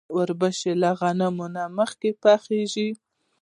وربشې له غنمو مخکې پخیږي.